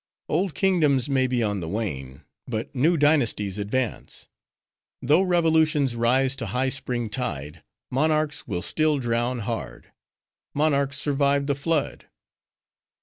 Old kingdoms may be on the wane; but new dynasties advance. Though revolutions rise to high spring tide, monarchs will still drown hard;—monarchs survived the flood!"